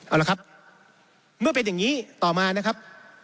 เอาละครับเมื่อเป็นอย่างนี้ต่อมานะครับ